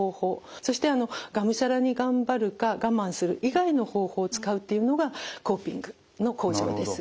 そしてがむしゃらに「頑張る」か「我慢する」以外の方法を使うっていうのがコーピングの向上です。